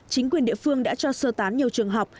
chính quyền địa phương đã cho sơ tán nhiều trường học